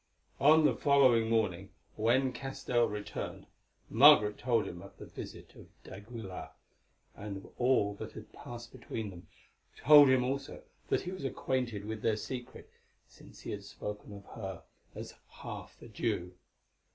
On the following morning, when Castell returned, Margaret told him of the visit of d'Aguilar, and of all that had passed between them, told him also that he was acquainted with their secret, since he had spoken of her as half a Jew.